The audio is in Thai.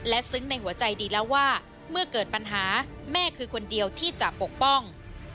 และซึ้งในหัวใจดีแล้วว่าเมื่อเกิดปัญหาแม่คือคนเดียวที่จะปกป้อง